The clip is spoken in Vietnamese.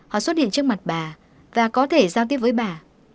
họ xuất hiện trước mặt bà và có thể giao tiếp với bà